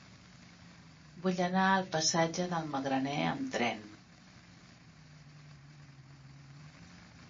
Vull anar al passatge del Magraner amb tren.